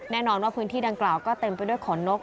แน่นอนว่าพื้นที่ดังกล่าวก็เต็มไปด้วยขนนก